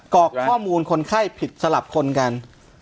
กรอกข้อมูลคนไข้ผิดสลับคนกัน